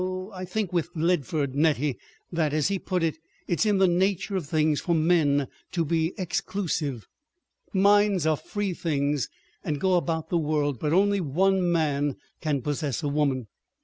I think with Leadford, Nettie, that, as he put it, it is in the nature of things for men to be exclusive. ... Minds are free things and go about the world, but only one man can possess a woman.